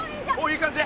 いい感じ？